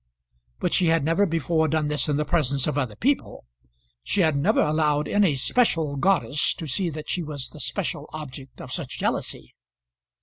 But she had never before done this in the presence of other people; she had never allowed any special goddess to see that she was the special object of such jealousy.